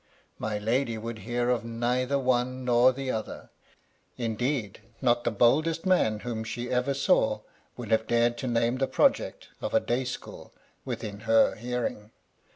My lady would hear of neither one nor the other : indeed, not the boldest man whom she ever saw would have dared to name the project of a day school within her hearing.